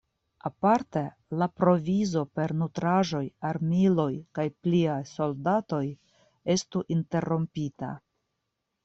Aparte la provizo per nutraĵoj, armiloj kaj pliaj soldatoj estu interrompita.